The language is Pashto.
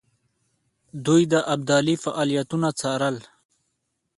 دوی د ابدالي فعالیتونه څارل.